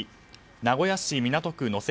名古屋市港区野跡